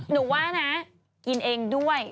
หนูว่านะกินเองด้วย